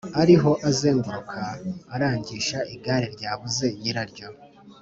ariho azenguruka arangisha igare ryabuze nyiraryo